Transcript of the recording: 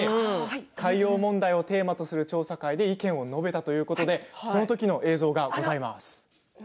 海洋問題をテーマとする調査会で意見を述べたということでそのときの映像がございます。